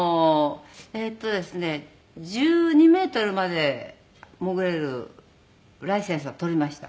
えっとですね１２メートルまで潜れるライセンスを取りました。